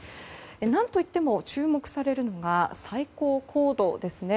何といっても注目されるのが最高高度ですね。